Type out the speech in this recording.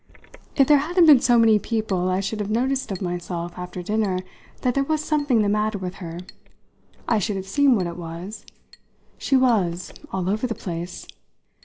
"If there hadn't been so many people I should have noticed of myself after dinner that there was something the matter with her. I should have seen what it was. She was all over the place."